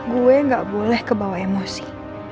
gue gak boleh kebawa emosi